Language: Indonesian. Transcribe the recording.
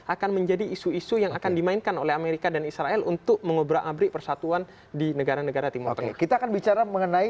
akan menjadi isu isu yang akan dimainkan oleh amerika dan israel untuk mengobrak abrik persatuan di negara negara timur tengah